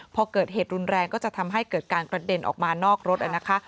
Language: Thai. พอเกิดเหตุรุนแรงก็จะทำให้เกิดการกระเด็นออกมานอกรถนะคะ